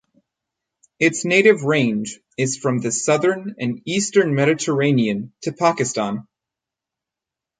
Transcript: Its native range is from the southern and eastern Mediterranean to Pakistan.